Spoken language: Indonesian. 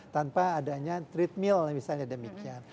tanpa adanya treadmill misalnya demikian